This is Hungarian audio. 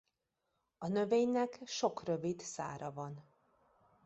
A növénynek sok rövid szára van.